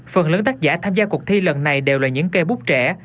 phần lớn tác giả tham gia cuộc thi lần này đều là những cây bút trẻ